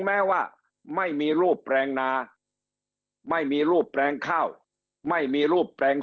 แม้ว่าไม่มีรูปแปลงนาไม่มีรูปแปลงข้าวไม่มีรูปแปลง